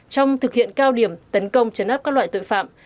trong thực hiện cao điểm tấn công chấn áp các loại tội phạm